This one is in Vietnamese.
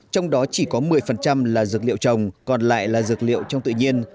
trong đó chỉ có một mươi là dược liệu trồng còn lại là dược liệu trong tự nhiên